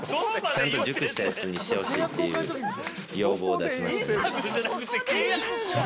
ちゃんと熟したやつにしてほしいっていう要望を出しました。